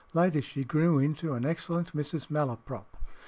Later she grew into an excellent Mrs. Malaprop.